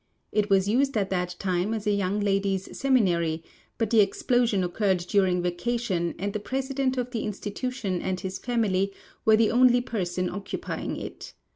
It was used at that time as a young ladies' seminary, but the explosion occurred during vacation, and the president of the institution and his family were the only persons occupying it.